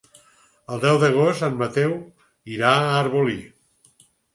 El deu d'agost en Mateu irà a Arbolí.